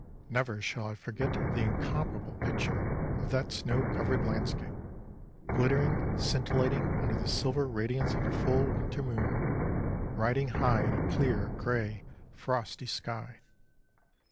Never shall I forget the incomparable picture of that snow covered landscape; glittering, scintillating under the silver radiance of a full winter moon, riding high in a clear, grey, frosty sky.